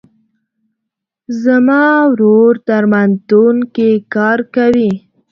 زما ورور درملتون کې کار کوي.